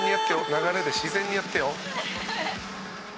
流れで自然にやってよ」